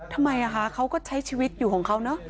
ทำไมเขาก็ใช้ชีวิตอยู่ของเขาเนอะ